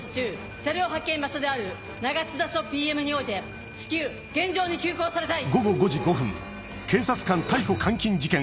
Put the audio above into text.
車両発見場所である長津田署ＰＭにおいて至急現場に急行されたい！